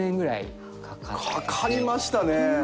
かかりましたね！